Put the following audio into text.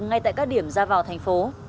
ngay tại các điểm ra vào thành phố